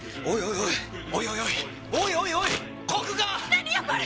何よこれ！